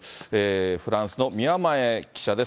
フランスの宮前記者です。